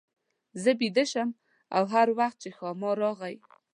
زه بېده شم او هر وخت چې ښامار راغی.